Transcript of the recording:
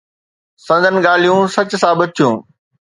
سندس ڳالهيون سچ ثابت ٿيون.